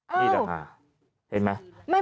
อ้าวเห็นไหม